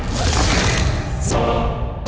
nanti buat knapp